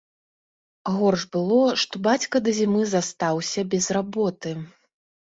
Горш было, што бацька да зімы застаўся без работы.